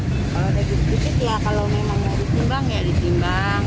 kalau daging sedikit ya kalau memang ditimbang ya ditimbang